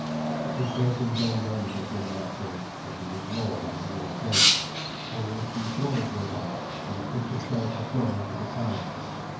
It was Berthun's own end, as one might say, and he was lord in his own place. Only a few thralls were about, and the cook himself had gone into the town.